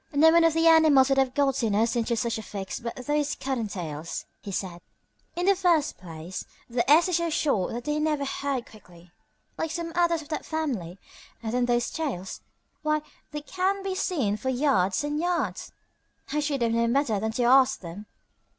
"No one of the animals would have gotten us into such a fix but those Cottontails," he said. "In the first place, their ears are so short they never heard quickly like some others of that family, and then those tails why they can be seen for yards and yards. I should have known better than to ask them.